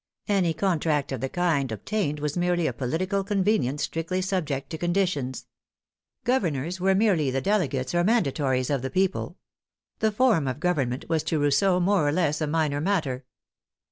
Any contract of the kind that obtained was merely a political convenience strictly subject to conditions. Governors were merely the dele gates or mandatories of the people. The form of gov ernment was to Rousseau more or less a minor matter.